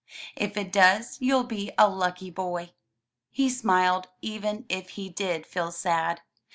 If it does you'll be a lucky boy. He smiled even if he did feel sad.